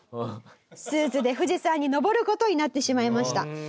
スーツで富士山に登る事になってしまいました。